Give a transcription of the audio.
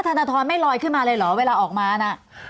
ธนทรไม่ลอยขึ้นมาเลยเหรอเวลาออกมานะ